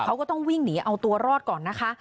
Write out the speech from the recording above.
เขาก็ต้องวิ่งหนีเอาตัวรอดก่อนนะคะ